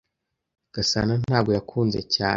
Gasana ntabwo yakunze cyane.